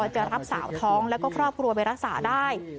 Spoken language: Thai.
จะรับสาวท้องแล้วก็ครอบครัวไปรักษาได้